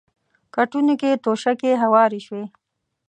کټونو کې توشکې هوارې شوې.